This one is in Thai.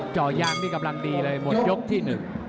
จ่อยางนี่กำลังดีเลยหมดยกที่๑